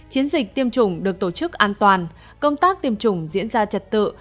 chiến dịch tiêm chủng được tổ chức an toàn công tác tiêm chủng diễn ra trật tự